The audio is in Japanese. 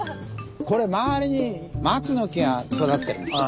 これ周りに松の木が育ってるんです。